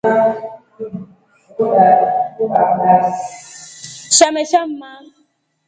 Shamesha mma.